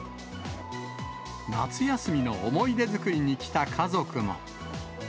夏休みの思い出作りに来た家族も。